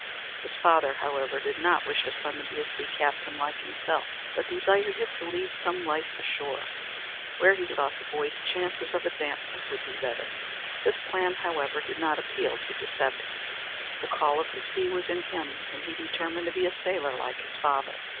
His father, however, did not wish his son to be a sea captain like himself, but desired him to lead some life ashore, where, he thought, the boy's chances of advancement would be better. This plan, however, did not appeal to Giuseppe. The call of the sea was in him and he determined to be a sailor like his father.